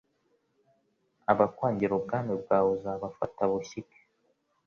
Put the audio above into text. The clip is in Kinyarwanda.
Abakwangira ubwami bwawe Uzabafata bushyike,